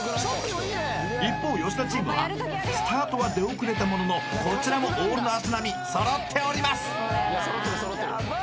一方吉田チームはスタートは出遅れたもののこちらもオールの足並みそろっております